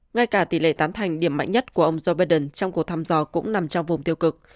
ngay cả tỷ lệ tán thành điểm mạnh nhất của ông joe biden trong cuộc thăm dò cũng nằm trong vùng tiêu cực